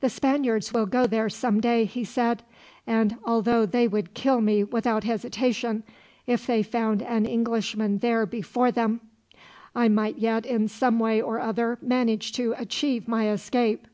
"The Spaniards will go there some day," he said; "and although they would kill me without hesitation, if they found an Englishman there before them; I might yet, in some way or other, manage to achieve my escape."